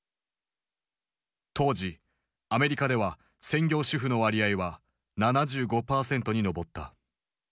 当時アメリカでは専業主婦の割合は７５％に上った。